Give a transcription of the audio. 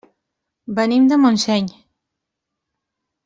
Venim de Montseny.